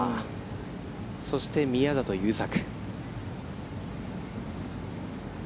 そして、宮里優作。